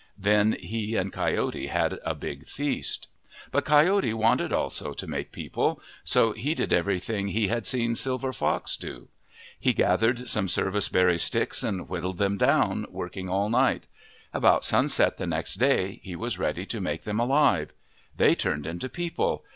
Then he and Coyote had a big feast. But Coyote wanted also to make people, so he did everything he had seen Silver Fox do. He gathered some service berry sticks and whittled them down, working all night. About sunset the next day he was ready to make them alive. They turned into people.